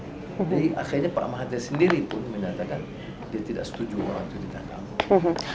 jadi akhirnya pak mahathir sendiri pun menyatakan dia tidak setuju orang itu didangkap